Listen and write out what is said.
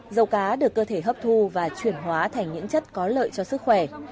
dầu cá được cơ thể hấp thu và chuyển hóa thành những chất có lợi cho sức khỏe